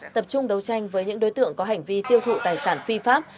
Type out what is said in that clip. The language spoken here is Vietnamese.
tập trung đấu tranh với những đối tượng có hành vi tiêu thụ tài sản phi pháp